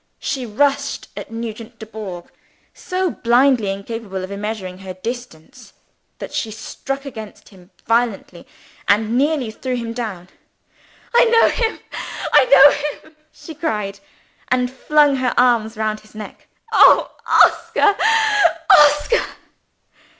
She rushed at Nugent Dubourg, so blindly incapable of measuring her distance that she struck against him violently, and nearly threw him down. "I know him! I know him!" she cried and flung her arms round his neck. "Oh, Oscar! Oscar!"